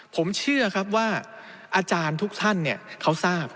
ผมเชื่อครับว่าอาจารย์ทุกท่านเขาทราบ